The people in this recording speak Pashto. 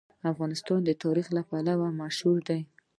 افغانستان د تاریخ لپاره مشهور دی.